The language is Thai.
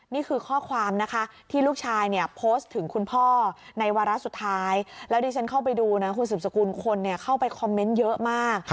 นี่คือข้อความนะคะที่ลูกชายเนี่ยโพสต์ถึงคุณพ่อในวาระสุดท้ายแล้วดิฉันเข้าไปดูนะคุณสืบสกุลคนเข้าไปคอมเมนต์เยอะมาก